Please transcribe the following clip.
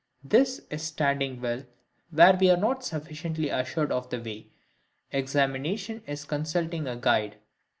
This is standing still, where we are not sufficiently assured of the way: examination is consulting a guide.